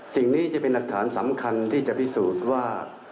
สิ่งนี้จะเป็นหลักฐานสำคัญที่จะพิสูจน์ว่า